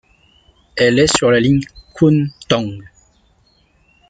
Elle est sur la ligne Kwun Tong.